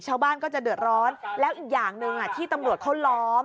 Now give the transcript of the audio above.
ชาวบ้านก็จะเดือดร้อนแล้วอีกอย่างหนึ่งที่ตำรวจเขาล้อม